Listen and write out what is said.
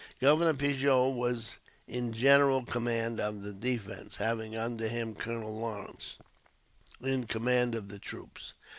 Governor Pigot was in general command of the defence, having under him Colonel Lawrence, in command of the troops.